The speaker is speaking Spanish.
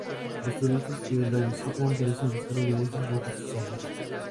Los turistas que la visitan parecen buscar las bellezas bajo sus aguas.